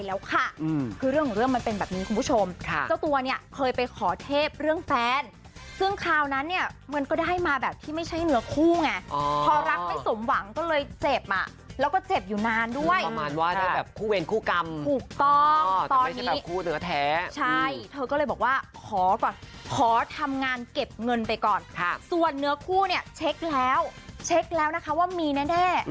อืมคือเรื่องเรื่องมันเป็นแบบนี้คุณผู้ชมค่ะเจ้าตัวเนี้ยเคยไปขอเทพเรื่องแฟนซึ่งคราวนั้นเนี้ยมันก็ได้มาแบบที่ไม่ใช่เนื้อคู่ไงอ๋อพอรักไม่สมหวังก็เลยเจ็บอ่ะแล้วก็เจ็บอยู่นานด้วยอืมประมาณว่าได้แบบคู่เวรคู่กรรมถูกต้องตอนนี้แต่ไม่ใช่แบบคู่เนื้อแท้ใช่เธอก็เลยบอกว่า